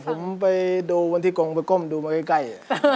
ผมไปดูวันที่กงไปก้มดูมาใกล้